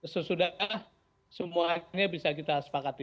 sesudah semuanya bisa kita sepakati